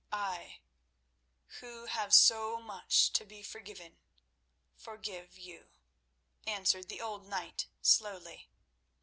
"I, who have so much to be forgiven, forgive you," answered the old knight slowly.